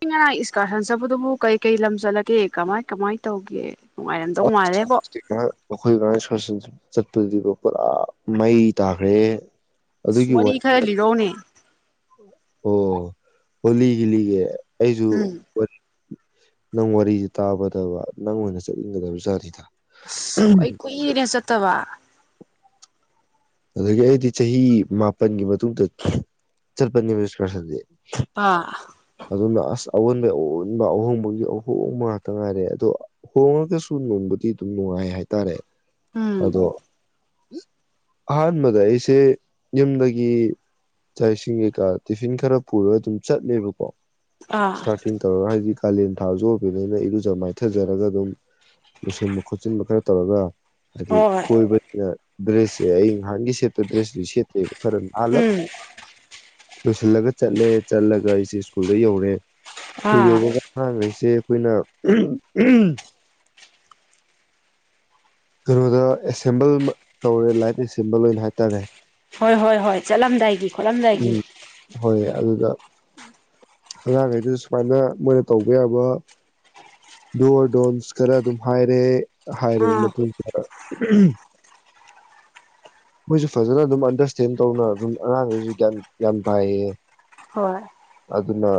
ꯑꯩ ꯉꯔꯥꯡ ꯏꯁꯀꯥꯔꯁꯟ ꯆꯠꯄꯗꯨꯕꯨ ꯀꯩ ꯀꯩ ꯂꯝ ꯆꯠꯂꯒꯦ ꯀꯃꯥꯏ ꯀꯃꯥꯏ ꯇꯧꯒꯦ ꯅꯨꯡꯉꯥꯏꯔꯝꯗꯧ ꯃꯥꯜꯂꯦꯕꯣ ꯈꯔ ꯆꯠꯄꯗꯤꯕ ꯄꯨꯔꯥ ꯃꯩ ꯇꯥꯈ꯭ꯔꯦ ꯑꯗꯨꯒꯤ ꯋꯥꯔꯤ ꯋꯥꯔꯤꯗꯣ ꯈꯔ ꯂꯤꯔꯧꯅꯦ ꯑꯣ ꯍ ꯂꯤꯒꯂꯤꯒꯦ ꯑꯩꯁꯨ ꯎꯝ ꯅꯪ ꯋꯥꯔꯤꯁꯦ ꯇꯥꯕꯗꯕ ꯅꯪ ꯑꯣꯏꯅ ꯆꯠꯅꯤꯡꯒꯗꯕꯖꯥ꯭ꯔꯤꯗ ꯑꯁ ꯀꯨꯏ ꯀꯨꯏꯅꯦ ꯆꯠꯇꯕ ꯑꯗꯒꯤ ꯑꯩꯗꯤ ꯆꯍꯤ ꯃꯥꯄꯜꯒꯤ ꯃꯇꯨꯡꯗ ꯆꯠꯄꯅꯦꯕꯁꯟꯁꯦ ꯑꯥ ꯑꯗꯨꯅ ꯑꯁ ꯑꯑꯣꯟꯕ ꯑꯑꯣꯟꯕ ꯑꯍꯣꯡꯕꯒꯤ ꯑꯍꯣꯡꯕ ꯉꯥꯛꯇ ꯉꯥꯏꯔꯦ ꯑꯗꯣ ꯍꯍꯣꯡꯉꯒꯁꯨ ꯅꯣꯟꯕꯗꯤ ꯑꯗꯨꯝ ꯅꯨꯡꯉꯥꯏ ꯍꯥꯏꯇꯥꯔꯦ ꯎꯝ ꯑꯗꯣ ꯑꯍꯥꯟꯕꯗ ꯑꯩꯁꯦ ꯌꯨꯝꯗꯒꯤ ꯆꯁꯤꯡ ꯀꯩꯀꯥ ꯇꯤꯐꯤꯟ ꯈꯔ ꯄꯨꯔꯒ ꯑꯗꯨꯝ ꯆꯠꯂꯦꯕꯀꯣ ꯑꯥ ꯁꯇꯥꯥꯇ ꯇꯧꯔ ꯍꯥꯏꯗꯤ ꯀꯥꯂꯦꯟ ꯊꯥꯁꯨ ꯑꯣꯏꯕꯅꯤꯅ ꯏꯔꯨꯖ ꯃꯥꯏꯊꯖꯔꯒ ꯑꯗꯨꯝ ꯂꯣꯏꯁꯤꯟꯕ ꯈꯣꯠꯆꯤꯟꯕ ꯈꯔ ꯇꯧꯔꯒ ꯍꯥꯏꯗꯤ ꯍꯣꯏ ꯀꯣꯏꯕꯕꯁꯤꯅ ꯗ꯭ꯔꯦꯁꯁꯦ ꯑꯩ ꯅꯍꯥꯟꯒꯤ ꯀꯦꯗꯁ ꯀꯦ ꯈꯔ ꯑꯂ ꯎꯝ ꯂꯁꯜꯂꯒ ꯆꯠꯂꯦ ꯆꯠꯂꯒꯁꯤ ꯁ꯭ꯀꯨꯜꯗ ꯌꯧꯔꯦ ꯁ꯭ꯀꯨꯜ ꯑꯥ ꯌꯕꯒ ꯦꯁ ꯑꯩꯈꯣꯏꯅ ꯀꯩꯅꯣꯗ ꯑꯦꯁꯦꯝꯕꯜ ꯇꯧꯔꯦ ꯂꯥꯏꯠ ꯑꯦꯁꯦꯝꯕꯜ ꯑꯣꯏꯅ ꯍꯥꯏꯇꯥꯔꯦ ꯍꯣꯏ ꯍꯣꯏ ꯍꯣꯏ ꯆꯠꯂꯝꯗꯥꯏꯒꯤ ꯈꯣꯠꯂꯝꯗꯥꯏꯒꯤ ꯎꯝ ꯍꯣꯏ ꯑꯗꯨꯗ ꯑꯉꯥꯡꯈꯩꯗꯨ ꯁꯨꯃꯥꯏꯅ ꯃꯣꯏꯅ ꯇꯧꯕ ꯌꯥꯕ ꯗꯣꯔ ꯗꯣꯟꯁ ꯈꯔ ꯑꯗꯨꯝ ꯍꯥꯏꯔꯦ ꯍꯥꯏꯔꯕ ꯑꯥ ꯃꯇꯨꯡꯗ ꯃꯣꯏꯁꯨ ꯐꯖꯅ ꯑꯗꯨꯝ ꯑꯟꯗꯔꯁꯇꯦꯟ ꯇꯧꯅ ꯑꯗꯨꯝ ꯑꯉꯥꯡꯈꯩꯁꯨ ꯒ꯭ꯌꯥꯟ ꯒ꯭ꯌꯥꯟ ꯇꯥꯏꯌꯦ ꯍꯣꯏ ꯑꯗꯨꯅ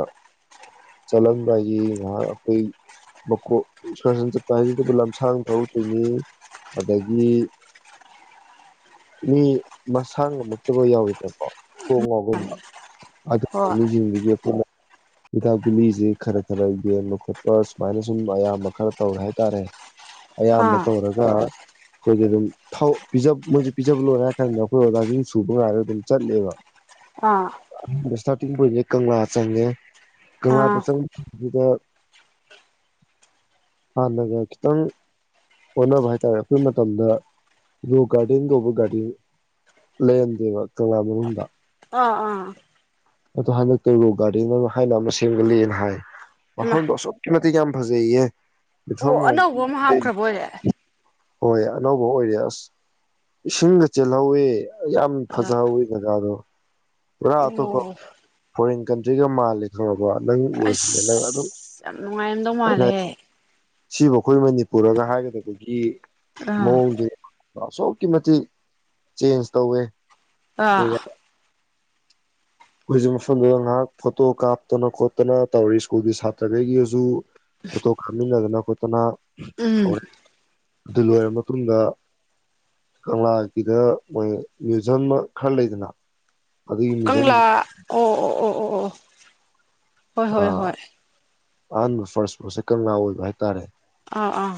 ꯆꯠꯂꯝꯟꯕꯒꯤ ꯉꯥꯏꯍꯥꯛ ꯑꯩꯈꯣꯏ ꯃꯣꯛ ꯑꯦꯛꯀꯔꯁꯟ ꯆꯠꯄ ꯍꯥꯏꯁꯤꯗꯕꯨ ꯂꯝꯁꯥꯡ ꯊꯧꯛꯇꯣꯏꯅꯤ ꯑꯗꯒꯤ ꯃꯤ ꯃꯁꯥ ꯉꯝꯃꯛꯇꯕ ꯌꯥꯎꯋꯤꯗꯕꯀꯣ ꯈꯣꯡ ꯉꯥꯎꯒꯕ ꯑꯗꯨꯒꯨꯝ ꯍꯣꯏ ꯃꯤꯁꯤꯡꯗꯨꯗꯤ ꯑꯩꯈꯣꯏꯅ ꯍꯤꯗꯥꯛ ꯒꯨꯂꯤꯁꯦ ꯈꯔ ꯈꯔ ꯌꯦꯡꯕ ꯈꯣꯠꯄ ꯁꯨꯃꯥꯏꯅ ꯁꯨꯝ ꯑꯌꯥꯝꯕ ꯈꯔ ꯇꯧꯔꯦ ꯍꯥꯏꯇꯥꯔꯦ ꯑꯌꯥꯝꯕ ꯑꯥ ꯇꯧꯔꯒ ꯑꯩꯈꯣꯏꯁ ꯑꯗꯨꯝ ꯄꯤꯖ ꯃꯣꯏꯁꯦ ꯄꯤꯖꯕ ꯂꯣꯏꯔꯦ ꯍꯥꯏꯔ ꯀꯥꯟꯗ ꯑꯩꯈꯣꯏ ꯑꯣꯖꯥꯁꯤꯡ ꯁꯨꯕ ꯉꯥꯏꯔꯒ ꯑꯗꯨꯝ ꯑꯥ ꯆꯠꯂꯦꯕꯍꯥꯟꯕ ꯏꯁꯇꯥꯔꯇꯤꯡ ꯄꯣꯏꯟꯁꯦ ꯀꯪꯂꯥ ꯆꯪꯉꯦ ꯑꯥ ꯀꯪꯂꯥꯗ ꯆꯪꯕ ꯃꯇꯝꯗ ꯍꯥꯟꯅꯒ ꯈꯤꯇꯪ ꯍꯣꯠꯅꯕ ꯍꯥꯏꯇꯥꯔꯦ ꯑꯩꯈꯣꯏ ꯃꯇꯝꯗ ꯔꯣ ꯒꯥꯔꯗꯦꯟꯒ ꯒꯥꯔꯤ ꯂꯩꯗ ꯋꯥꯛꯇꯂꯕꯔ ꯍꯨꯗ ꯑꯥ ꯑꯥ ꯑꯗꯣ ꯍꯟꯗꯛꯇ ꯔꯣꯛ ꯒꯥꯔꯗꯦꯟ ꯑꯃ ꯍꯥꯏꯅ ꯑꯃ ꯁꯦꯝꯒꯠꯂꯑꯦꯅ ꯍꯥꯏ ꯍꯩꯃꯥ ꯋꯥꯈꯗꯁ ꯃꯇꯗꯤ ꯌꯥꯝ ꯐꯖꯌꯦꯦ ꯑꯣ ꯑꯅꯧꯕ ꯑꯃ ꯍꯥꯞꯈ꯭ꯔꯕ ꯑꯣꯏꯔꯦ ꯍꯣꯏ ꯑꯅꯧꯕ ꯑꯣꯏꯔꯦ ꯑꯁ ꯏꯁꯤꯡꯗ ꯆꯦꯜꯍꯧꯋꯤ ꯌꯥꯝ ꯑꯥ ꯐꯖꯍꯧꯋꯤ ꯖꯒꯥꯗꯣ ꯄꯨꯔꯥ ꯑꯇꯣꯞꯄ ꯑꯣ ꯐꯣꯔꯦꯟ ꯀꯟꯇ꯭ꯔꯤꯒ ꯃꯥꯜꯂꯦ ꯈ ꯑꯣ ꯅꯪ ꯎꯔꯁꯤꯅꯦ ꯅꯪ ꯑꯗꯨꯝ ꯑꯁ ꯌꯥꯝ ꯅꯨꯡꯉꯥꯏꯔꯝꯗꯧ ꯃꯥꯜꯂꯦꯍꯦ ꯁꯤꯕꯨ ꯑꯩꯈꯣꯏ ꯃꯅꯤꯄꯨꯔꯒ ꯍꯥꯏꯒꯗꯕꯒꯤ ꯑꯥ ꯃꯣꯡ ꯑꯁꯨꯛꯀꯤ ꯃꯇꯤꯛ ꯆꯦꯟꯖ ꯇꯧꯋꯦ ꯑ ꯍꯧꯖꯤꯛ ꯃꯐꯝꯗꯨꯗ ꯉꯥꯏꯍꯥꯛ ꯐꯣꯇꯣ ꯀꯥꯞꯇꯅ ꯈꯣꯠꯇꯅ ꯇꯧꯔꯤ ꯁ꯭ꯀꯨꯜꯒꯤ ꯁꯥꯇ꯭ꯔꯈꯩꯒꯤꯒꯁꯨ ꯐꯣꯇꯣ ꯀꯥꯞꯃꯤꯟꯅꯗꯅ ꯈꯣꯠꯇꯅ ꯎꯝ ꯇꯧꯔ ꯑꯗꯨ ꯂꯣꯏꯔ ꯃꯇꯨꯡꯗ ꯀꯪꯂꯥꯒꯤꯗ ꯃꯣꯏ ꯃ꯭ꯌꯨꯖꯝ ꯈꯔ ꯂꯩꯗꯅ ꯑꯗꯨ ꯀꯪꯂꯥ ꯑꯣ ꯑꯣ ꯑꯣ ꯑꯣ ꯑꯣ ꯍꯣꯏ ꯍꯣꯏ ꯍꯣꯏ ꯑꯍꯥꯟꯕ ꯐꯔꯁꯄꯣꯁꯦ ꯀꯪꯂꯥ ꯑꯣꯏꯕ ꯍꯥꯏꯇꯥꯔꯦ ꯑꯥ ꯑꯥ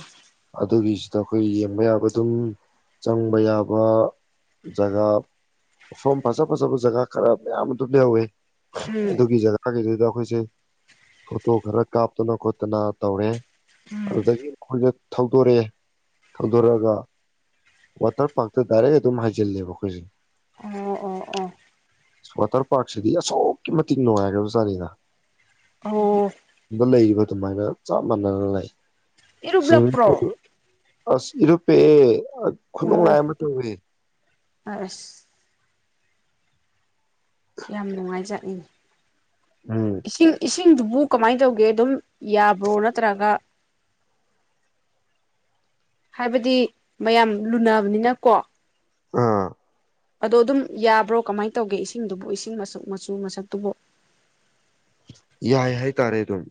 ꯑꯗꯨꯒꯤꯁꯤꯗ ꯑꯩꯈꯣꯏ ꯌꯦꯡꯕ ꯌꯥꯕ ꯑꯗꯨꯝ ꯆꯪꯕ ꯌꯥꯕ ꯖꯒꯥ ꯃꯣꯝ ꯐꯖ ꯐꯖꯕ ꯖꯒꯥ ꯈꯔ ꯃꯌꯥꯝ ꯑꯗꯨꯝ ꯌꯥꯎꯋꯦ ꯎꯝ ꯑꯗꯨꯒꯤ ꯖꯒꯥꯒꯤꯗꯨꯗ ꯑꯩꯈꯣꯏꯁꯦ ꯐꯣꯇꯣ ꯈꯔ ꯀꯥꯞꯇꯅ ꯈꯣꯠꯇꯅ ꯇꯧꯔꯦ ꯎꯝ ꯑꯗꯨꯗꯒꯤ ꯃꯈꯣꯏꯅ ꯊꯧꯗꯣꯔꯛꯑꯦ ꯊꯧꯗꯣꯔꯛꯑꯒ ꯋꯥꯇꯔ ꯄꯥꯔꯛꯇ ꯗꯥꯏꯔꯦꯛ ꯑꯗꯨꯝ ꯍꯥꯏꯩꯖꯤꯜꯂꯦꯕ ꯑꯩꯈꯣꯏꯁꯦ ꯑꯣ ꯑꯣ ꯑꯣ ꯋꯥꯇꯔ ꯄꯥꯔꯛꯁꯤꯗꯤ ꯑꯁꯨꯛꯀꯤ ꯃꯇꯤꯛ ꯅꯨꯡꯉꯥꯏꯈ꯭ꯔꯕꯖꯥꯠꯅꯤꯗ ꯑꯣ ꯌꯗ ꯂꯩꯔꯤꯕ ꯑꯗꯨꯃꯥꯏꯅ ꯆꯞ ꯃꯥꯟꯅꯅ ꯂꯩ ꯏꯔꯕꯂ ꯄꯨ꯭ꯔꯣ ꯑꯁꯤ ꯔꯨꯄꯦ ꯈꯨꯅꯨꯡꯣꯡ ꯑꯣ ꯂꯥꯏ ꯑꯃ ꯇꯧꯋ ꯑꯁ ꯌꯥꯝ ꯅꯨꯡꯉꯥꯏꯖꯠꯅꯤꯡ ꯎꯝ ꯏꯁꯤꯡ ꯤꯡꯗꯨꯕꯨ ꯀꯃꯥꯏꯅ ꯇꯧꯒꯦ ꯑꯗꯨꯝ ꯌꯥꯕ꯭ꯔꯣ ꯅꯠꯇ꯭ꯔꯒ ꯍꯥꯏꯕꯗꯤ ꯃꯌꯥꯝ ꯂꯨꯅꯕꯅꯤꯅꯀꯣ ꯑꯥ ꯑꯗꯣ ꯑꯗꯨꯝ ꯌꯥꯕ꯭ꯔꯣ ꯀꯃꯥꯏꯅ ꯇꯧꯒꯦ ꯏꯁꯤꯡꯗꯨꯕꯨ ꯏꯁꯤꯡ ꯃꯁꯛ ꯃꯆꯨ ꯃꯁꯛꯇꯨꯕ ꯌꯥꯏ ꯍꯏ ꯇꯥꯔꯦ ꯑꯗꯨꯝ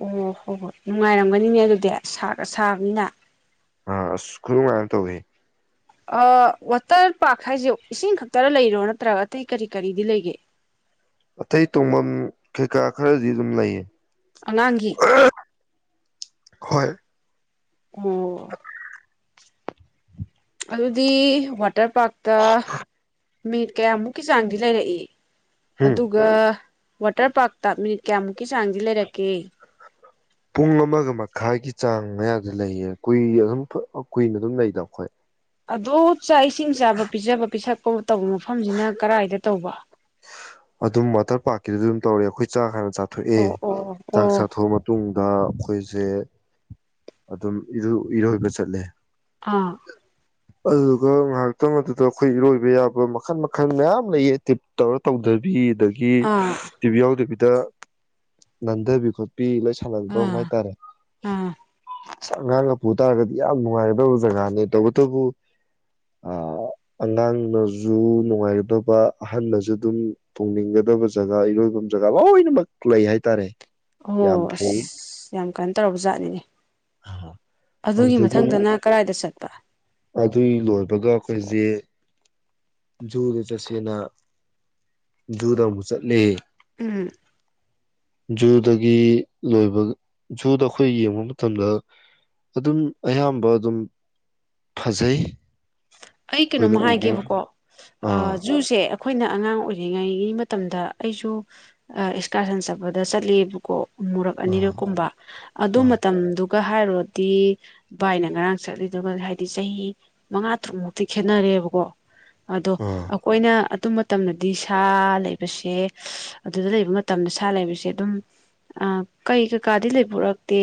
ꯑꯣ ꯍꯣꯏ ꯍꯣꯏ ꯅꯨꯡꯉꯥꯏꯔꯝꯒꯅꯤꯅꯦ ꯑꯗꯨꯗꯤ ꯁꯥꯔꯒ ꯁꯥꯕꯅꯤꯅ ꯑ ꯈꯔꯨ ꯃꯥꯌꯥꯝ ꯇꯧ ꯋꯥꯇꯔ ꯄꯥꯔꯛ ꯍꯥꯏꯁꯦ ꯏꯁꯤꯡ ꯈꯛꯇꯔ ꯂꯩꯔꯣ ꯅꯠꯇ꯭ꯔꯒ ꯑꯇꯩ ꯀꯔꯤ ꯀꯔꯤꯗꯤ ꯂꯩꯒꯦ ꯑꯇꯩ ꯇꯣꯡꯐꯝ ꯀꯩꯀꯥ ꯈꯔꯗꯤ ꯑꯗꯨꯝ ꯂꯩꯌꯦ ꯑ ꯂꯥꯡꯒꯤꯤ ꯍꯣꯏ ꯑꯣ ꯑꯗꯨꯗꯤ ꯋꯥꯇꯔ ꯄꯥꯔꯛꯇ ꯃꯤꯠ ꯀꯌꯥꯃꯨꯛꯀꯤ ꯆꯥꯡꯗꯤ ꯂꯩꯔꯛꯏ ꯎꯝ ꯑꯗꯨꯒ ꯋꯥꯇꯔ ꯄꯥꯔꯛꯇ ꯃꯤꯅꯤꯠ ꯀꯌꯥꯃꯨꯛꯀꯤ ꯆꯥꯡꯗꯤ ꯂꯩꯔꯛꯀꯦ ꯄꯨꯡ ꯑꯃꯒ ꯃꯈꯥꯏꯒꯤ ꯆꯥꯡ ꯃꯌꯥꯗꯤ ꯂꯩꯌꯦ ꯀꯨꯏ ꯑꯗꯨꯝ ꯀꯨꯏꯅ ꯑꯗꯨꯝ ꯂꯩꯗꯕ ꯑꯩꯈꯣꯏ ꯑꯗꯣ ꯆꯥꯛ ꯏꯁꯤꯡ ꯆꯥꯕ ꯄꯤꯖꯕ ꯄꯤꯁꯛ ꯑꯐ ꯇꯧꯕ ꯃꯐꯝꯁꯤꯅ ꯀꯔꯥꯏꯏꯗ ꯇꯧꯕ ꯑꯗꯨꯝ ꯋꯥꯇꯔ ꯄꯥꯔꯛꯀꯤꯗ ꯑꯗꯨꯝ ꯇꯧꯔꯦ ꯑꯩꯈꯣꯏ ꯆꯥꯈꯔ ꯆꯥꯊꯣꯛꯑꯦ ꯑꯣ ꯑꯣ ꯆꯥꯛ ꯑꯣ ꯆꯥꯊꯣꯛꯑ ꯃꯇꯨꯡ ꯗ ꯑꯩꯈꯣꯏꯁꯦ ꯑꯗꯨꯝ ꯏꯔꯣꯏꯕ ꯆꯠꯂꯦ ꯑꯥ ꯑꯗꯨꯒ ꯉꯥꯏꯍꯥꯛꯇꯪ ꯑꯗꯨꯗ ꯑꯩꯈꯣꯏ ꯏꯔꯣꯏꯕ ꯌꯥꯕ ꯃꯈꯜ ꯃꯈꯜ ꯃꯌꯥꯝ ꯂꯩꯌꯦ ꯑꯦꯇꯤꯞ ꯇꯧꯔ ꯇꯧꯗꯕꯤ ꯑꯗꯒꯤ ꯑꯥ ꯇꯤꯚꯤ ꯌꯥꯎꯗꯕꯤ ꯗ ꯅꯟꯗꯕꯤ ꯈꯨ ꯄꯄꯤ ꯂꯣꯏ ꯁꯥꯟꯅꯕꯝ ꯑꯥ ꯍꯥꯏꯇꯥꯔꯦ ꯑꯥ ꯑ ꯑꯉꯥꯡꯅ ꯄꯨꯨ ꯇꯥꯔꯒꯗꯤ ꯌꯥꯝ ꯅꯨꯡꯉꯥꯏꯗꯕ ꯖꯒꯥꯅꯦ ꯇꯧꯕ ꯑꯗꯨꯕꯨ ꯑꯉꯥꯡꯅꯁꯨ ꯅꯨꯡꯉꯥꯏꯒꯗꯕ ꯑꯍꯟꯅꯁꯨ ꯑꯗꯨꯝ ꯇꯣꯡꯅꯤꯡꯒꯗꯕ ꯖꯒꯥ ꯏꯔꯣꯏꯐꯝ ꯖꯒꯥ ꯂꯣꯏꯅꯃꯛ ꯂꯩ ꯍꯥꯏꯇꯥꯔꯦ ꯑꯣ ꯌꯥꯝ ꯐꯩ ꯌꯥꯝ ꯀꯥꯏ ꯇꯧꯔꯕ ꯖꯥꯠꯅꯤꯅꯦ ꯑꯗꯨꯒꯤ ꯑꯗꯨꯗꯒꯤ ꯑꯃꯨꯛ ꯃꯊꯪꯗꯅ ꯀꯗꯥꯏꯗ ꯆꯠꯄ ꯑꯗꯨꯏ ꯂꯣꯏꯕꯒ ꯑꯩꯈꯣꯏꯁꯦ ꯖꯨꯗ ꯆꯠꯁꯦꯅ ꯖꯨꯗ ꯑꯃꯨꯛ ꯆꯠꯂꯤ ꯎꯝ ꯖꯨꯗꯒꯤ ꯂꯣꯏꯕ ꯖꯨꯗ ꯑꯩꯈꯣꯏ ꯌꯦꯡꯉ ꯃꯇꯝꯗ ꯑꯗꯨꯝ ꯑꯌꯥꯝꯕ ꯑꯗꯨꯝ ꯐꯖꯩ ꯑꯩ ꯑꯩꯈꯣꯏꯅ ꯀꯩꯅꯣꯃ ꯎꯒꯦ ꯍꯥꯏꯒꯦꯕꯀꯣ ꯑꯥ ꯖꯨꯁꯦ ꯑꯩꯈꯣꯏꯅ ꯑꯉꯥꯡ ꯑꯣꯏꯔꯤꯉꯩꯒꯤ ꯃꯇꯝꯗ ꯑꯩꯁꯨ ꯑꯦꯛꯁꯀꯥꯔꯁꯟ ꯆꯠꯄꯗ ꯆꯠꯂꯦꯕꯀꯣ ꯃꯨꯔꯛꯑꯅꯤꯔꯛ ꯑꯥ ꯀꯨꯝꯕ ꯑꯗꯨ ꯑꯥ ꯃꯇꯝꯗꯨ ꯑꯗꯨꯒ ꯍꯥꯏꯔꯨꯔꯗꯤ ꯚꯏꯅ ꯉꯔꯥꯡ ꯆꯠꯂꯤꯗꯨꯒ ꯍꯥꯏꯗꯤ ꯆꯍꯤ ꯃꯉꯥ ꯇꯔꯨꯛꯃꯨꯛꯇ ꯤ ꯈꯦꯠꯅꯔꯦꯕꯀꯣ ꯑꯗꯣ ꯑꯥ ꯑꯩꯈꯣꯏꯅ ꯑꯗꯨ ꯃꯇꯝꯗꯗꯤ ꯁꯥ ꯂꯩꯕꯁꯦ ꯑꯗꯨꯗ ꯂꯩꯕ ꯃꯇꯝꯗ ꯁꯥ ꯂꯩꯕꯁꯦ ꯑꯗꯨꯝ ꯑ ꯀꯩ ꯀꯩꯀꯥꯗꯤ ꯂꯩꯕꯔꯛꯇꯦ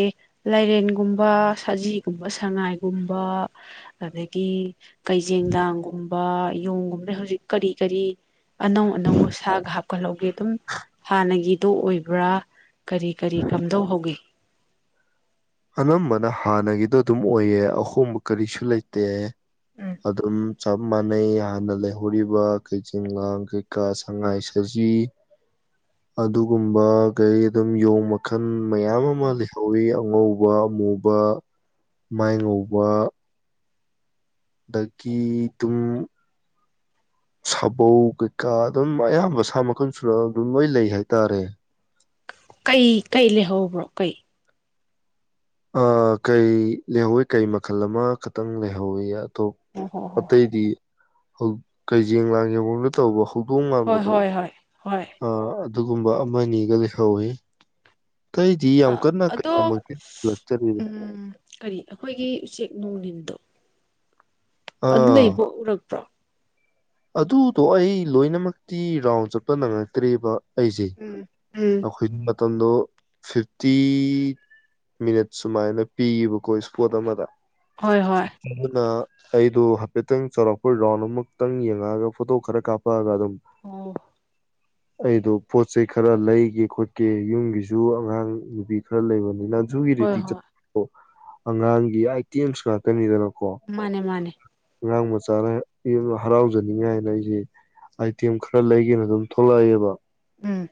ꯂꯥꯏꯔꯦꯟꯒꯨꯝꯕ ꯁꯖꯤꯒꯨꯝꯕ ꯁꯉꯥꯏꯒꯨꯝꯕ ꯑꯗꯒꯤ ꯀꯩꯖꯦꯟꯗꯥꯥꯡꯒꯨꯝꯕ ꯌꯣꯡꯒꯨꯝꯕꯅ ꯍꯧꯖꯤꯛ ꯀꯔꯤ ꯀꯔꯤ ꯑꯅꯧ ꯑꯅꯧꯕ ꯁꯥꯒ ꯍꯥꯞꯀꯠꯍꯧꯒꯦ ꯑꯗꯨꯝ ꯍꯥꯟꯅꯒꯤ ꯑꯗꯨ ꯑꯣꯏꯕ꯭ꯔꯥ ꯀꯔꯤ ꯀꯔꯤ ꯀꯝꯗꯧꯍꯧꯒꯦ ꯑꯅꯝꯕꯅ ꯍꯥꯟꯅꯒꯤꯗꯣ ꯑꯗꯨꯝ ꯑꯣꯏꯌꯦ ꯑꯍꯣꯡꯕ ꯀꯔꯤꯁꯨ ꯂꯩꯇꯦ ꯎꯝ ꯑꯗꯨ ꯑꯗꯨꯝ ꯆꯞ ꯃꯥꯟꯅꯩ ꯍꯥꯟꯅ ꯂꯩꯍꯧꯔꯤꯕ ꯀꯩꯖꯤꯡꯒꯥꯡ ꯀꯩꯀꯥ ꯁꯉꯥꯏ ꯁꯖꯤ ꯑꯗꯨꯒꯨꯝꯕ ꯀꯩ ꯑꯗꯨꯝ ꯌꯣꯡ ꯃꯈꯜ ꯃꯌꯥꯝ ꯑꯃ ꯂꯩꯍꯧꯋꯤ ꯎ ꯎ ꯋꯥ ꯃꯨꯕ ꯃꯥꯏ ꯉꯧꯕ ꯑꯗꯒꯤ ꯇꯝ ꯁꯥꯕꯧ ꯀꯩꯀꯥ ꯑꯗꯨꯝ ꯑꯌꯥꯝꯕ ꯁꯥ ꯃꯈꯟ ꯁꯨꯔ ꯑꯗꯨꯝ ꯂꯣꯏ ꯂꯩ ꯍꯥꯏꯇꯥꯔꯦ ꯀꯩ ꯀꯩ ꯂꯩꯍꯧꯕ꯭ꯔꯣ ꯀꯩ ꯀꯩ ꯂꯩꯍꯧꯋꯤ ꯀꯩ ꯃꯈꯜ ꯑꯃꯈꯇꯪ ꯂꯩꯍꯧꯋꯤ ꯑꯣ ꯍꯣ ꯍꯣ ꯄꯠꯇꯗꯤꯌꯦ ꯍꯧꯛ ꯀꯩꯖꯦꯡ ꯂꯥꯡ ꯌꯦꯡꯒꯗ ꯇꯧꯕ ꯍꯧꯖꯤ ꯇꯨꯡꯉꯗ ꯍꯣꯏ ꯇꯣ ꯍꯣꯏ ꯍꯣꯏ ꯍꯣꯏ ꯑ ꯑꯗꯨꯒꯨꯝꯕ ꯑꯃ ꯑꯅꯤꯒ ꯂꯩꯍꯧꯋꯤ ꯀꯩꯖꯤ ꯑꯃꯨꯛ ꯀꯅꯥ ꯀꯦ ꯑꯗꯣ ꯂꯆꯔꯅꯤ ꯎꯝ ꯀꯔꯤ ꯑꯩꯈꯣꯏꯒꯤ ꯎꯆꯦꯛ ꯅꯣꯡ ꯜꯗꯣ ꯑꯗꯨ ꯑꯥ ꯂꯩ ꯎꯔꯛꯄ꯭ꯔ ꯑꯗꯨꯗꯣ ꯑꯩ ꯂꯣꯏꯅꯃꯛꯇꯤ ꯔꯥꯎꯟ ꯆꯠꯄ ꯅꯪꯉꯛꯇ꯭ꯦꯕ ꯑꯩꯁꯦ ꯎꯝ ꯎꯝ ꯑꯩꯈꯣꯏ ꯃꯇꯝꯗꯣ ꯐꯤꯐꯇꯤ ꯃꯤꯅꯠ ꯁꯨꯃꯥꯏꯅ ꯄꯤꯌꯦꯕꯀꯣ ꯏꯁꯄꯣꯠ ꯑꯃꯗ ꯍꯣꯏ ꯍꯣꯏ ꯑꯗꯨ ꯑꯩꯗꯣ ꯍꯥꯏꯐꯦꯠꯇꯪ ꯆꯥꯎꯔꯥꯛꯄ ꯔꯥꯎꯟ ꯑꯃꯨꯛꯇꯪ ꯌꯦꯡꯉ ꯒ ꯐꯣ ꯈꯔ ꯀꯥꯄꯑꯒ ꯑꯗꯨꯝ ꯑꯣ ꯑꯩꯗꯣ ꯄꯣꯠ ꯆꯩꯩ ꯈꯔ ꯂꯩꯒꯦ ꯈꯣꯠꯀꯦ ꯌꯨꯝꯒꯤꯁꯨ ꯑꯉꯥꯡ ꯅꯨꯄꯤ ꯈꯔ ꯂꯩꯕꯅꯤꯅ ꯍꯣꯏ ꯨꯏꯔꯤꯦꯤ ꯍꯣꯏ ꯆ ꯑꯉꯥꯡꯒꯤ ꯑꯇꯦꯝꯁꯨ ꯉꯥꯛꯇꯅꯤꯗꯅꯣ ꯃꯥꯅꯦ ꯃꯥꯅꯦ ꯉꯔꯥꯡ ꯃꯆꯥꯅ ꯍꯔꯥꯎ ꯇꯖꯅꯤꯡꯉꯥꯏꯅ ꯑꯩꯁꯦ ꯑꯥꯏꯇꯦꯝ ꯈꯔ ꯂꯩꯒꯦꯅ ꯑꯗꯨꯝ ꯊꯣꯛꯂꯛꯑꯑꯦꯕ ꯎꯝ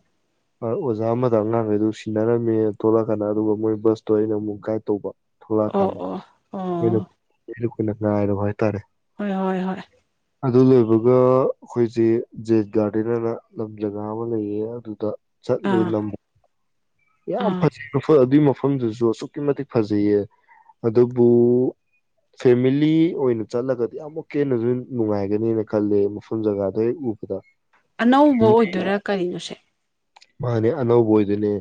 ꯑꯣꯖꯥ ꯑꯃꯗ ꯑꯉꯥꯡꯈꯩꯗꯨ ꯁꯤꯟꯅꯔꯝꯃꯦ ꯊꯣꯛꯣꯂꯛꯀꯥꯟꯗ ꯑꯗꯨꯒ ꯃꯣꯏ ꯕꯁꯇꯣ ꯑꯩꯅ ꯑꯃꯨꯛ ꯒꯥꯏꯗ ꯇꯧꯕ ꯊꯣꯂꯥ ꯑꯣ ꯈꯥꯟ ꯑꯣ ꯑꯣ ꯥꯏꯔꯣ ꯍꯥꯏꯇꯥꯔꯦ ꯍꯣꯏ ꯍꯣꯏ ꯍꯣꯏ ꯑꯗꯨ ꯂꯣꯏꯕꯒ ꯑꯩꯈꯣꯏꯁꯦ ꯖꯦꯟꯠ ꯒꯥꯔꯗꯦꯟ ꯍꯥꯏꯅ ꯂꯝ ꯖꯒꯥ ꯑꯃ ꯂꯩꯌꯦ ꯑꯗꯨꯗ ꯆꯠꯂ ꯑꯥ ꯅꯝ ꯌꯥꯝ ꯑꯥ ꯐꯖꯩ ꯐ ꯑꯗꯨꯏꯃ ꯃꯐꯝꯗꯨꯁꯨ ꯑꯁꯨꯛꯀꯤ ꯃꯇꯤꯛ ꯐꯖꯩꯌꯦ ꯑꯗꯨꯕꯨ ꯐꯦꯃꯤꯂꯤ ꯑꯣꯏꯅ ꯆꯠꯂꯒꯗꯤ ꯑꯃꯨꯛ ꯍꯦꯟꯅꯁꯨ ꯅꯨꯡꯉꯥꯏꯒꯅꯦꯅ ꯈꯜꯂꯦ ꯃꯐꯝ ꯖꯒꯥꯗꯣ ꯍꯦꯛ ꯎꯕꯗ ꯑꯅꯧꯕ ꯑꯣꯏꯗꯣꯏꯔꯥ ꯀꯔꯤꯅꯣꯁꯦ ꯃꯥꯅꯦ ꯑꯅꯧꯕ ꯑꯣꯏꯗꯨꯣꯏꯅꯦ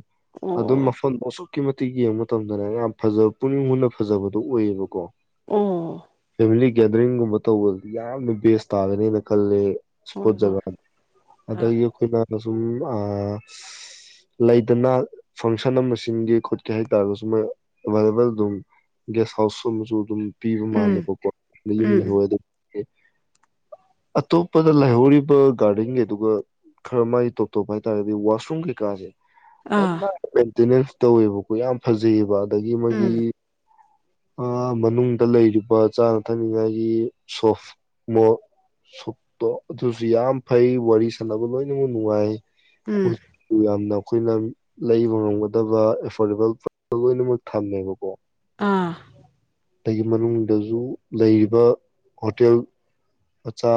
ꯑꯗꯨꯝ ꯑꯣ ꯃꯐꯝ ꯑꯗꯨꯛꯀꯤ ꯃꯇꯤꯛ ꯌꯦꯡꯕ ꯃꯇꯝꯗꯅꯦ ꯌꯥꯝ ꯐꯖꯕ ꯄꯨꯛꯅꯤꯡ ꯍꯨꯟꯅ ꯐꯖꯕꯗꯨꯣ ꯑꯣꯏꯌꯦꯕꯀꯣ ꯑꯣ ꯐꯦꯃꯤꯂꯤ ꯒꯦꯗꯔꯤꯡꯒꯨꯝꯕ ꯇꯧꯕꯗꯤ ꯌꯥꯝꯅ ꯕꯦꯁ ꯇꯥꯒꯅꯦꯅ ꯈꯂꯦ ꯍꯣꯏ ꯏꯁꯄꯣꯠ ꯍꯣꯏ ꯒꯥ ꯑꯥ ꯑꯗꯒꯤ ꯑꯩꯈꯣꯏ ꯑ ꯁꯨꯝ ꯂꯩꯗꯅ ꯐꯪꯁꯟ ꯑꯃ ꯆꯟꯒꯦ ꯈꯣꯠꯀꯦ ꯍꯥꯏꯇꯥꯥꯔꯒꯁꯨ ꯃꯣꯏ ꯑꯦꯕꯥꯏꯂꯦꯕꯜ ꯑꯗꯨꯝ ꯒꯦꯁ ꯍꯥꯎꯁ ꯑꯃꯁꯨ ꯑꯗꯨꯝ ꯄꯤꯕ ꯎꯝ ꯃꯥꯜꯂꯦꯕꯀꯣ ꯑ ꯌꯨꯝ ꯎꯝ ꯂꯩꯍꯧꯗ ꯑꯇꯣꯞꯄꯗ ꯂꯩꯍꯧꯔꯤꯕ ꯒꯥꯔꯗꯦꯟꯒꯤꯗꯨ ꯈꯔ ꯃꯥꯥꯏ ꯇ ꯇꯇꯞꯄ ꯍꯥꯏꯇꯥꯔꯗꯤ ꯋꯥꯁꯔꯨꯝ ꯀꯩꯀꯥꯁꯦ ꯌꯥꯝ ꯑꯥ ꯇꯦꯅꯦꯁ ꯇꯧꯋꯦꯕꯀꯣ ꯌꯥꯝ ꯐꯖꯩꯑꯕ ꯑꯗꯒꯤ ꯃꯥꯣꯏꯒꯤ ꯎꯝ ꯃꯅꯨꯡꯗ ꯂꯩꯔꯤꯕ ꯆꯥꯅ ꯊꯛꯅꯤꯉꯥꯏꯒꯤ ꯁꯣꯞ ꯃꯣ ꯁꯣꯞꯇꯣ ꯑꯗꯨꯁꯨ ꯌꯥꯝ ꯐꯩ ꯋꯥꯔꯤ ꯁꯥꯟꯅꯕ ꯂꯣꯏꯅꯃꯛ ꯅꯨꯡꯉꯥꯏ ꯎꯝ ꯌꯥꯝꯅ ꯑꯩꯈꯣꯏꯅ ꯂꯩꯕ ꯉꯝꯒꯗꯕ ꯑꯦꯐꯣꯔꯗꯦꯕꯜ ꯄ꯭ꯔ ꯂꯣꯏꯅꯃꯛ ꯊꯝꯃꯦꯕꯀꯣ ꯑꯥ ꯑꯒꯤ ꯃꯅꯨꯡꯗꯁꯨ ꯂꯩꯔꯤꯕ ꯍꯣꯇꯦꯜ ꯃꯆꯥ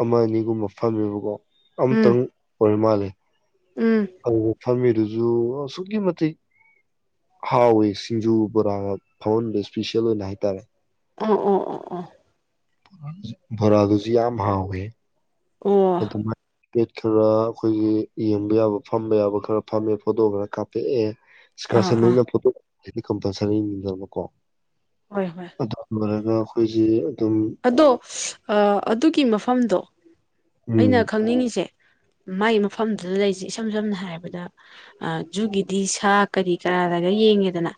ꯑꯃ ꯑꯅꯤꯒꯨꯝꯕ ꯐꯝꯃꯦꯕꯀꯣ ꯎꯝ ꯑꯝꯇꯪ ꯑꯣꯏ ꯃꯥꯜꯂꯦ ꯎꯝ ꯑꯗꯨ ꯐꯝꯃꯤꯗꯨꯁꯨ ꯑꯁꯨꯛꯀꯤ ꯃꯇꯤꯛ ꯍꯥꯎꯋꯤ ꯁꯤꯡꯖꯨ ꯕꯣꯔꯥ ꯑꯃ ꯐꯝꯍꯟꯕ ꯏꯁꯄꯤꯁꯤꯦꯜ ꯑꯣꯏꯅ ꯍꯥꯏꯇꯥꯔꯦ ꯑꯣ ꯑꯣ ꯑꯣ ꯑꯣ ꯣꯔꯥꯗꯨꯖꯤꯌꯥ ꯃꯍꯥꯛꯦ ꯑꯣ ꯑꯗꯨ ꯑꯗꯨꯃꯥꯏ ꯄꯦꯠ ꯈꯔ ꯑꯩꯈꯣꯏꯒꯤ ꯌꯦꯡꯕ ꯌꯥꯕ ꯐꯝꯕ ꯌꯥꯕ ꯈꯔ ꯐꯝꯃꯦ ꯐꯣꯇꯣ ꯈꯔ ꯀꯥꯞꯄꯛꯑꯦ ꯏꯁꯀ ꯑꯥ ꯑꯥ ꯑꯁꯟꯅ ꯄꯣꯠꯇ ꯗꯤ ꯀꯝꯄꯜꯁꯔꯤꯗꯅꯀꯣ ꯍꯣꯏ ꯍꯣꯏ ꯑꯦ ꯑꯩꯈꯣꯏꯁꯦ ꯑꯗꯨꯝ ꯑꯗꯣ ꯑꯗꯨꯒꯤ ꯃꯐꯝ ꯃꯐꯝꯗ ꯎꯝ ꯑꯩꯅ ꯈꯪꯅꯤꯡꯉꯤꯁꯦ ꯃꯥꯏ ꯃꯐꯝꯗꯨꯗ ꯂꯩꯔꯤꯁꯦ ꯏꯁꯝ ꯁꯝꯅ ꯍꯥꯏꯔꯕꯗ ꯖꯨꯒꯤꯗꯤ ꯁꯥ ꯀꯔꯤ ꯀꯔꯥ ꯂꯩꯒ ꯌꯦꯡꯉꯦꯗꯅ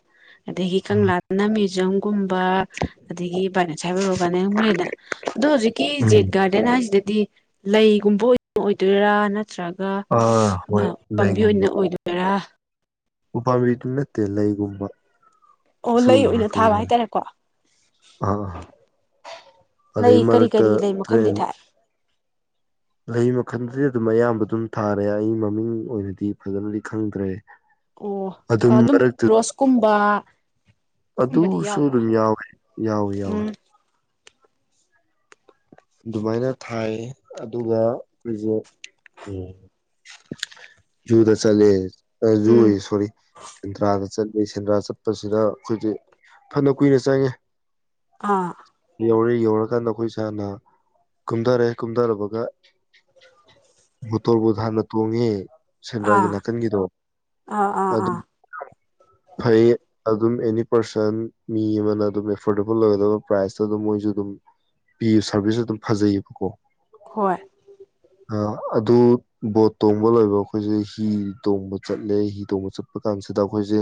ꯑꯗꯒꯤ ꯀꯪꯂꯥ ꯅꯝꯃꯤ ꯆꯝ ꯀꯨꯝꯕ ꯑꯗꯒꯤ ꯕꯥꯏꯅꯣꯁ ꯍꯥꯏꯕ ꯑꯣꯏꯔꯣ ꯂꯩ ꯑꯗꯣ ꯍꯧꯖꯤꯛꯀꯤ ꯎꯝ ꯖꯤꯠ ꯒꯥꯔꯗ ꯍꯥꯏꯁꯤ ꯍꯥꯏꯗꯤ ꯂꯩꯒꯨꯝꯕ ꯑꯣꯏꯗꯣꯏꯔꯥ ꯅ ꯅꯠꯇ꯭ꯔꯒ ꯑꯥ ꯍꯣꯏ ꯎ ꯄꯥꯝꯕꯤ ꯑꯣꯏꯅ ꯂꯩꯒꯨꯝꯕ ꯑꯣꯏꯗꯣꯏꯔꯥ ꯎꯄꯥꯝꯕꯤꯗꯨ ꯅꯠꯇꯦ ꯂꯩꯒꯨꯝꯕ ꯑꯣ ꯂꯩ ꯁꯤꯒꯨꯝꯕ ꯑꯣꯏꯅ ꯉꯥꯛꯇ ꯊꯥꯕ ꯑꯣꯏꯗꯣꯏꯅꯦ ꯍꯥꯏꯇꯥꯔꯦꯀꯣ ꯑꯥ ꯑꯥ ꯂꯩ ꯑꯗꯩ ꯀꯔꯤ ꯃꯔꯛꯇ ꯀꯔꯤ ꯂꯩ ꯃꯈꯜꯗꯤ ꯇ꯭ꯔꯦꯟ ꯊꯥꯏ ꯂꯩ ꯃꯈꯜꯗꯗꯤ ꯑꯗꯨꯝ ꯑꯌꯥꯝꯕ ꯑꯗꯨꯝ ꯊꯥꯔꯦ ꯑꯩ ꯃꯃꯤꯡ ꯑꯣꯏꯅꯗꯤ ꯐꯖꯅꯗꯤ ꯈꯪꯗ꯭ꯔꯦ ꯑꯣ ꯑꯗꯨꯝ ꯔꯣꯁꯀꯨꯝꯕ ꯁꯨꯝꯕꯗꯤ ꯑꯗꯨꯁꯨ ꯌꯥꯎꯕ꯭ꯔꯥ ꯑꯗꯨꯝ ꯌꯥꯎꯏꯤ ꯌꯥꯎꯋꯤ ꯎꯝ ꯌꯥꯎꯏꯤ ꯑꯗꯨꯃꯥꯏꯅ ꯊꯥꯏ ꯑꯗꯨꯒ ꯑꯩꯈꯣꯏꯁꯦ ꯎ ꯖꯨꯗ ꯆꯠꯂꯦ ꯑ ꯖꯨ ꯎꯝ ꯁꯣꯔꯤꯟ ꯇ ꯆꯠꯂꯤ ꯁꯦꯟꯗ꯭ꯔꯥ ꯆꯠꯄꯁꯤꯅ ꯑꯩꯈꯣꯏꯁ ꯐꯅ ꯀꯨꯏꯅ ꯆꯪꯉꯦ ꯑꯥ ꯌꯧꯔꯦ ꯌꯧꯔꯀꯥꯟꯗ ꯑꯩꯈꯣꯏ ꯏꯁꯥꯅ ꯀꯨꯝꯊꯔꯦ ꯀꯨꯝꯊꯔꯕꯒ ꯃꯣꯇꯣꯔꯕꯨ ꯍꯥꯟꯅ ꯇꯣꯡꯉꯦ ꯁꯦꯟꯗ꯭ꯔꯒꯤ ꯑꯥ ꯅꯥꯀꯟꯒꯤꯗꯣ ꯑꯥ ꯑꯥ ꯑꯗꯨꯝ ꯑꯥ ꯐꯩ ꯑꯗꯨꯝ ꯑꯦꯅꯤ ꯄꯥꯔꯁꯟ ꯃꯤ ꯑꯃꯅ ꯑꯗꯨꯝ ꯑꯦꯐꯣꯔꯗꯦꯕꯜ ꯑꯣꯏꯒꯗꯕ ꯄ꯭ꯔꯥꯏꯖꯇ ꯑꯗꯨꯝ ꯃꯣꯏꯁꯨ ꯑꯗꯨꯝ ꯄꯤ ꯁꯥꯔꯚꯤꯁꯁꯨ ꯑꯗꯨꯝ ꯐꯖꯩꯌꯦꯕꯀꯣ ꯍꯣꯏ ꯑꯗꯨ ꯕꯣꯠ ꯇꯣꯡꯕ ꯂꯣꯏꯕ ꯑꯩꯈꯣꯏꯁꯦ ꯍꯤ ꯇꯣꯡꯕ ꯆꯠꯂꯦ ꯍꯤ ꯇꯣꯡꯕ ꯆꯠꯄ ꯀꯥꯟꯁꯤꯗ ꯑꯩꯈꯣꯏꯁꯦ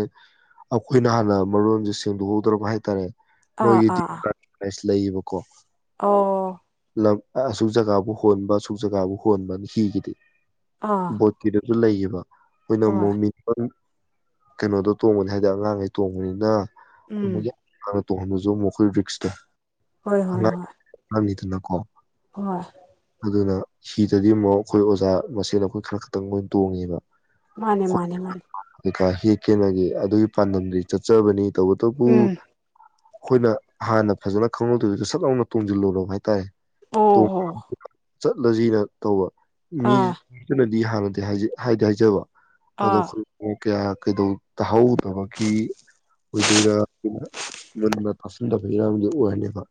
ꯑꯩꯈꯣꯏꯅ ꯍꯥꯟꯅ ꯃꯔꯣꯟꯁꯦ ꯁꯦꯡꯗꯣꯛꯍꯧꯗ꯭ꯔꯕ ꯍꯥꯏꯇꯥꯔꯦ ꯑꯥ ꯃꯣꯏꯒꯤ ꯑꯥ ꯑꯥ ꯂꯩꯌꯦꯕꯀꯣ ꯑꯣ ꯑꯁꯨꯛ ꯖꯒꯥꯕꯨ ꯍꯣꯟꯕ ꯑꯁꯨꯛ ꯖꯒꯥꯕꯨ ꯍꯣꯟꯕ ꯍꯤꯒꯤꯗꯤ ꯑꯥ ꯣꯀꯤꯗ ꯑꯗꯨ ꯂꯩꯈꯤꯕ ꯑꯩꯈꯣꯏꯅ ꯍꯣꯏ ꯃꯣꯃꯤ ꯀꯩꯅꯣꯗꯣ ꯇꯣꯡꯕꯅꯤ ꯍꯥꯏꯗꯤ ꯑꯉꯥꯡꯈꯩ ꯇꯣꯡꯕꯅꯤꯅ ꯎꯝ ꯃ ꯁꯨ ꯃꯈꯣꯏ ꯐꯁꯗ ꯍꯣꯏ ꯍꯣꯏ ꯍꯣꯏ ꯑꯅꯤꯗꯨꯅꯀꯣ ꯍꯣꯏ ꯑꯗꯨꯅ ꯍꯤꯗꯗꯤ ꯑꯃꯨꯛ ꯑꯩꯈꯣꯏ ꯑꯣꯖꯥ ꯃꯁꯦꯟ ꯑꯩꯈꯣꯏ ꯈꯔ ꯈꯛꯇꯪ ꯃꯣꯏ ꯇꯣꯡꯉꯦꯕ ꯃꯥꯅꯦ ꯃꯥꯅꯦ ꯃꯥꯅꯦ ꯍꯦꯛ ꯈꯦꯠꯅꯒꯦ ꯑꯗꯨꯒꯤ ꯄꯥꯟꯗꯝꯗꯤ ꯆꯠꯆꯕꯅꯤ ꯇꯕꯨ ꯇꯕꯨ ꯎꯝ ꯑꯩꯈꯣꯏꯅ ꯍꯥꯟꯅ ꯐꯖꯅ ꯈꯪꯍꯧꯗꯔꯤꯗ ꯁꯠꯥꯎꯅ ꯇꯨꯡꯁꯤꯜꯂꯣꯂꯣ ꯍꯥꯏꯇꯥꯔꯦ ꯑꯣ ꯇꯨꯡ ꯍꯣ ꯆꯠꯂꯁꯤꯅ ꯇꯧꯕ ꯃꯤ ꯑꯥ ꯍꯥꯟꯅꯗꯤ ꯍꯥꯏꯗꯤ ꯍꯥꯏꯖꯕ ꯑꯗꯣ ꯑꯥ ꯈ ꯀꯌꯥ ꯀꯩꯗꯧ ꯇꯥꯍꯧꯗꯕꯒꯤ ꯑꯣꯏꯗꯣꯏꯔꯥ ꯃꯨꯟꯅ ꯇꯥꯁꯤꯟꯗꯕ ꯏꯔꯥꯡꯗꯤ ꯑꯣꯏꯔꯅꯦꯕ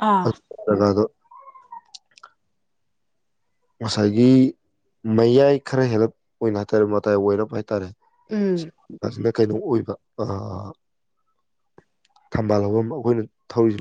ꯑꯥ ꯣ ꯉꯁꯥꯏꯒꯤ ꯃꯌꯥꯏ ꯈꯔ ꯍꯦꯜꯂꯞ ꯑꯣꯏꯅ ꯍꯥꯏꯇꯥꯔꯦ ꯃꯇꯥꯏ ꯑꯣꯏꯅꯞ ꯍꯥꯏꯇꯥꯔꯦ ꯎꯝ ꯖꯤꯅ ꯀꯩꯅꯣ ꯑꯣꯏꯕ ꯊꯝꯕꯥꯜ ꯍꯧꯕ ꯑꯩꯈꯣꯏꯅ ꯊꯧꯔꯤꯁꯤ